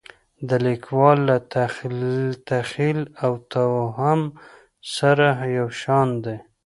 د لیکوال له تخیل او توهم سره یو شان دي.